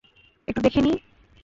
একটু দেখে নিই।